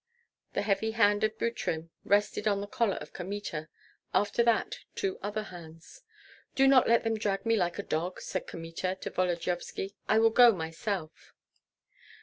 The heavy hand of Butrym rested on the collar of Kmita, after that two other hands. "Do not let them drag me like a dog!" said Kmita to Volodyovski. "I will go myself."